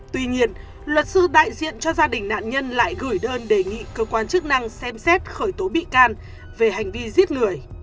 tuy nhiên luật sư đại diện cho gia đình nạn nhân lại gửi đơn đề nghị cơ quan chức năng xem xét khởi tố bị can về hành vi giết người